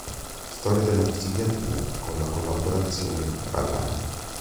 Storia della psichiatria", con la collaborazione di Pagani.